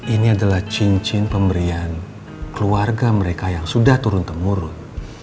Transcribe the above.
ini adalah cincin pemberian keluarga mereka yang sudah turun temurun